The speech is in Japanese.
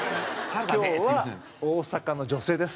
今日は大阪の女性です。